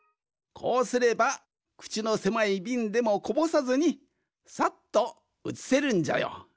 こうすればくちのせまいびんでもこぼさずにさっとうつせるんじゃよ。